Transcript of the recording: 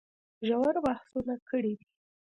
ژور بحثونه کړي دي